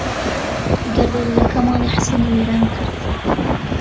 گەردەلوولەکە ماڵی حەسەنی وێران کرد.